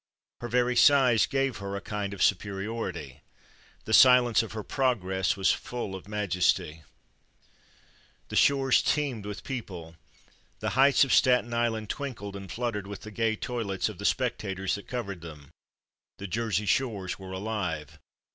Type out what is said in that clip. Her very size gave her a kind of superiority: the silence of her progress was full of majesty. The shores teemed with people. The heights of Staten Island twinkled and fluttered with the gay toilets of the spectators that covered them. The Jersey shores were alive.